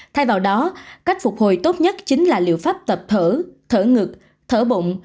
thay vào đó cách phục hồi tốt nhất chính là liệu pháp tập thở ngực thở bụng